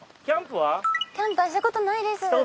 キャンプはしたことないです！